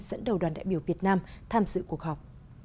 dẫn đầu đoàn đại biểu việt nam tham dự cuộc họp